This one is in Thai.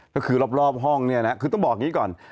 ก็คือรอบห้องเนี่ยนะคือต้องบอกอย่างนี้ก่อน